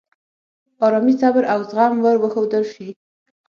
آرامي، صبر، او زغم ور وښودل شي.